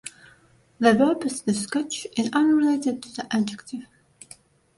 The verb "to scotch" is unrelated to the adjective.